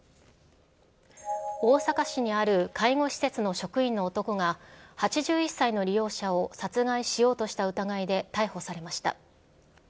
大阪市にある介護施設の職員の男が、８１歳の利用者を殺害しようとした疑いで逮捕されました。